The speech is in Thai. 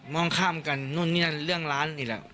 มองข้ามกันนู่นนี่นั่นเรื่องร้านนี่แหละ